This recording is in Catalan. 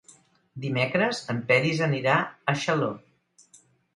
Dimecres en Peris anirà a Xaló.